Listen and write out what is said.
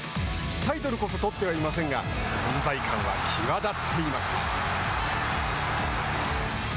タイトルこそ取ってはいませんが存在感は際立っていました。